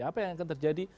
apa yang akan terjadi